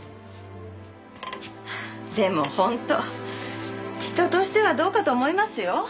でも本当人としてはどうかと思いますよ。